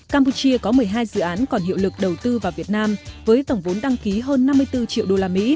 campuchia có một mươi hai dự án còn hiệu lực đầu tư vào việt nam với tổng vốn đăng ký hơn năm mươi bốn triệu usd